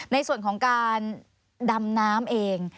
ในส่วนของการดำน้ำเอง